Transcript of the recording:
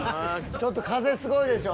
ちょっと風すごいでしょ。